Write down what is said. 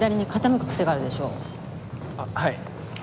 あっはい。